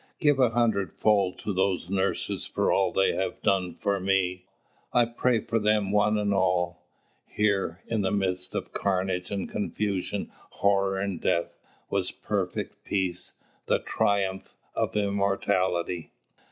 Give a hundredfold to those nurses for all they have done for me. I pray for them one and all." Here, in the midst of carnage and confusion, horror and death, was perfect peace, the triumph of immortality.